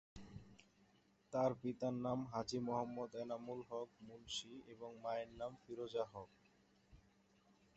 তার পিতার নাম হাজী মোহাম্মদ এনামুল হক মুন্সী এবং মায়ের নাম ফিরোজা হক।